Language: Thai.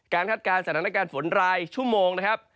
คาดการณ์สถานการณ์ฝนรายชั่วโมงนะครับ